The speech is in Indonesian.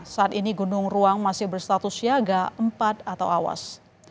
saat ini gunung ruang masih berstatus siaga empat atau awas